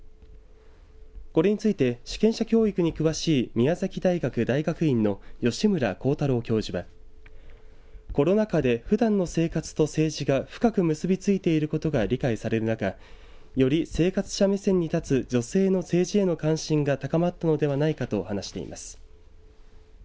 これについて主権者教育に詳しい宮崎大学大学院の吉村功太郎教授はコロナ禍でふだんの生活と政治が深く結びついていることが理解される中より生活者目線に立つ女性の政治への関心が高まったのではないかと話しています。